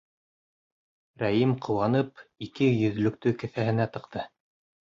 Рәим ҡыуанып, ике йөҙлөктө кеҫәһенә тыҡты.